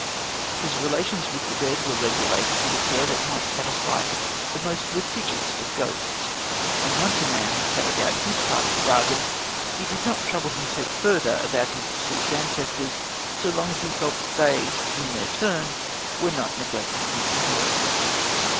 His relations with the dead were regulated with a care that might satisfy the most litigious of ghosts, and once a man had carried out his part of the bargain, he did not trouble his head further about his deceased ancestors, so long as he felt that they, in their turn, were not neglecting his interests.